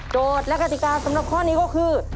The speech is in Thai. และกติกาสำหรับข้อนี้ก็คือ